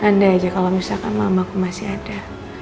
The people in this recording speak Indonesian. andai aja kalau misalkan mamaku masih ada